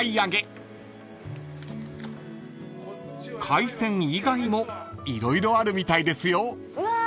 ［海鮮以外も色々あるみたいですよ］